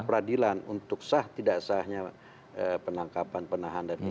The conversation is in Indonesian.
prapradilan untuk sah tidak sahnya penangkapan penahan dan ini